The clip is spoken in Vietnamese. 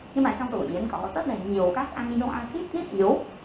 nhưng mà trong tổ yến có rất là nhiều các anino acid thiết yếu